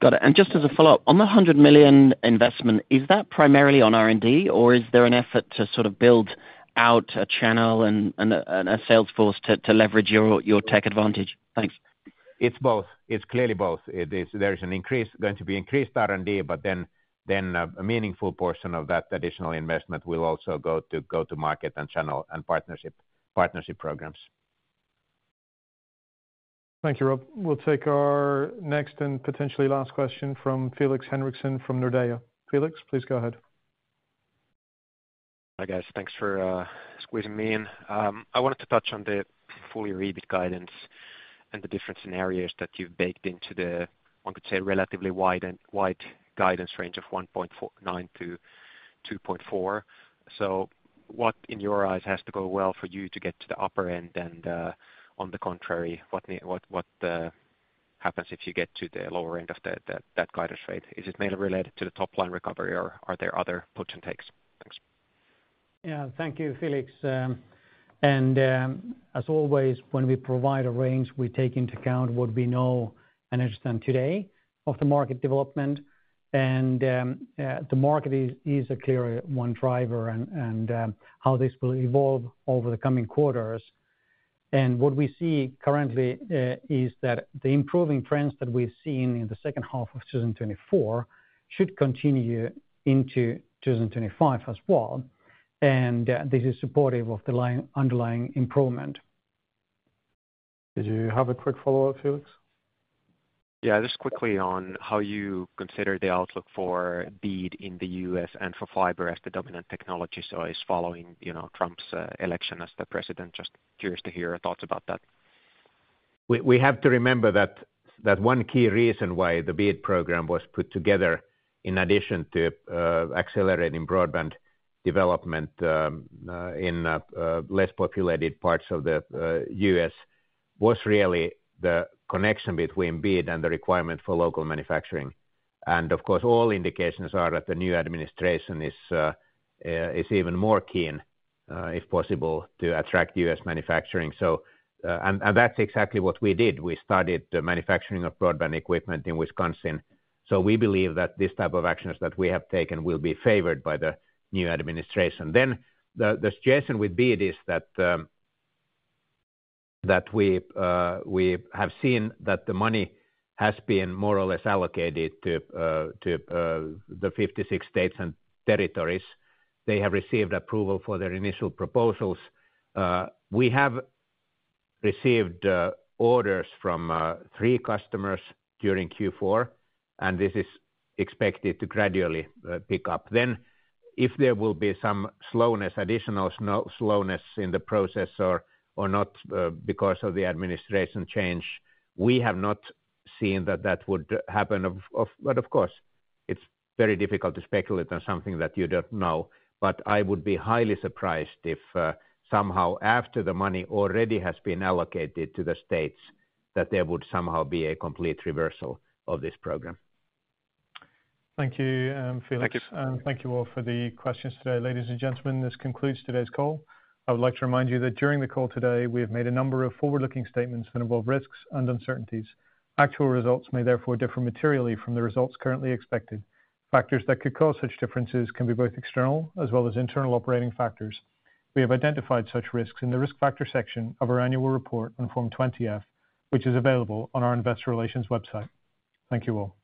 Got it. And just as a follow-up, on the 100 million investment, is that primarily on R&D, or is there an effort to sort of build out a channel and a salesforce to leverage your tech advantage? Thanks. It's both. It's clearly both. There's going to be increased R&D, but then a meaningful portion of that additional investment will also go to market and channel and partnership programs. Thank you, Rob. We'll take our next and potentially last question from Felix Henriksson from Nordea. Felix, please go ahead. Hi guys. Thanks for squeezing me in. I wanted to touch on the full-year guidance and the different scenarios that you've baked into the, one could say, relatively wide guidance range of 1.9-2.4. So what, in your eyes, has to go well for you to get to the upper end? And on the contrary, what happens if you get to the lower end of that guidance rate? Is it mainly related to the top-line recovery, or are there other puts and takes? Thanks. Yeah, thank you, Felix. And as always, when we provide a range, we take into account what we know and understand today of the market development. And the market is a clear one driver and how this will evolve over the coming quarters. And what we see currently is that the improving trends that we've seen in the second half of 2024 should continue into 2025 as well. And this is supportive of the underlying improvement. Did you have a quick follow-up, Felix? Yeah, just quickly on how you consider the outlook for BEAD in the U.S. and for fiber as the dominant technology? So it's following Trump's election as President. Just curious to hear your thoughts about that. We have to remember that one key reason why the BEAD program was put together in addition to accelerating broadband development in less populated parts of the U.S. was really the connection between BEAD and the requirement for local manufacturing. And of course, all indications are that the new administration is even more keen, if possible, to attract U.S. manufacturing. And that's exactly what we did. We studied the manufacturing of broadband equipment in Wisconsin. So we believe that this type of actions that we have taken will be favored by the new administration. Then the suggestion with BEAD is that we have seen that the money has been more or less allocated to the 56 states and territories. They have received approval for their initial proposals. We have received orders from three customers during Q4, and this is expected to gradually pick up. Then if there will be some slowness, additional slowness in the process or not because of the administration change, we have not seen that that would happen. But of course, it's very difficult to speculate on something that you don't know. But I would be highly surprised if somehow after the money already has been allocated to the states that there would somehow be a complete reversal of this program. Thank you, Felix. Thank you. And thank you all for the questions today. Ladies and gentlemen, this concludes today's call. I would like to remind you that during the call today, we have made a number of forward-looking statements that involve risks and uncertainties. Actual results may therefore differ materially from the results currently expected. Factors that could cause such differences can be both external as well as internal operating factors. We have identified such risks in the risk factor section of our annual report on Form 20-F, which is available on our investor relations website. Thank you all.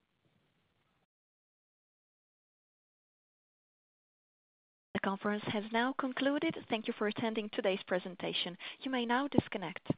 The conference has now concluded. Thank you for attending today's presentation. You may now disconnect.